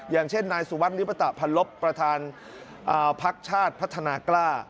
อย่างเช่นนายสุวัสดิริปตะพันลบประธานพักชาติพัฒนากล้า